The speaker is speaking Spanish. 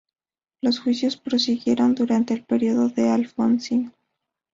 Los juicios prosiguieron durante el período de Alfonsín.